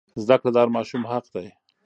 زده کړه د هر ماشوم حق دی.